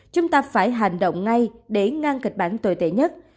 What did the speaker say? chúng ta phải hành động ngay để ngang kịch bản tồi tệ nhất